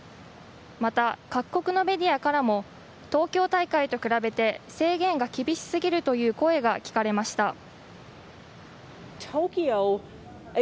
また、各国のメディアからも東京大会と比べて制限が厳しすぎるという声が聞かれました。